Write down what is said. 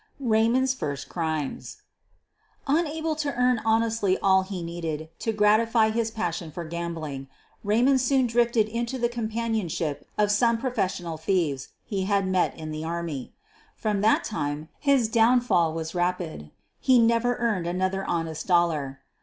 EAYMOND 's FIKST CRIMES Unable to earn honestly all he needed to gratify his passion for gambling, Raymond soon drifted into the companionship of some professional thieve ii he had met in the army. From that time his down . fall was rapid; he never earned another honest dollar.